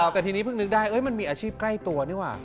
แต่ทีนี้เพิ่งนึกได้มันมีอาชีพใกล้ตัวนี่ว่ะ